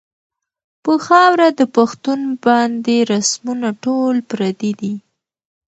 پۀ خاؤره د پښتون باندې رسمونه ټول پردي دي